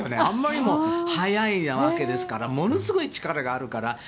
あんまりにも速いわけですからものすごい力があるから。